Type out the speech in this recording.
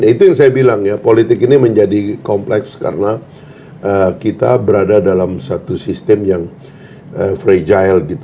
itu yang saya bilang ya politik ini menjadi kompleks karena kita berada dalam satu sistem yang fragile